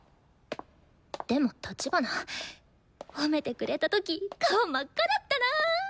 でも立花褒めてくれた時顔真っ赤だったなぁ。